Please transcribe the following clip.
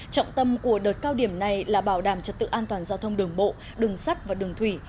trọng tâm của đợt cao điểm này là bảo đảm trật tự an toàn giao thông đường bộ đường sắt và đường thủy